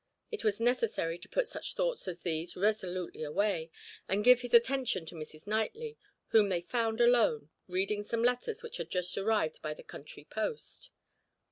It was necessary to put such thoughts as these resolutely away, and give his attention to Mrs. Knightley, whom they found alone, reading some letters which had just arrived by the country post.